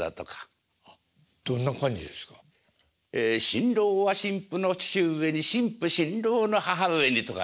「新郎は新婦の父上に新婦新郎の母上に」とかね。